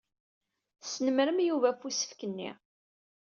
Tesnemmrem Yuba ɣef usefk-nni.